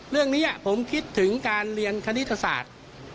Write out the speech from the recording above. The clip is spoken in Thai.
เรื่องนี้ผมคิดถึงการเรียนคณิตศาสตร์